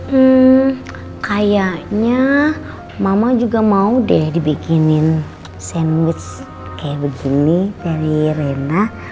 hmm kayaknya mama juga mau deh dibikinin sandwich kayak begini dari rena